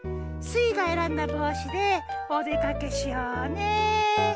スイがえらんだぼうしでおでかけしようね。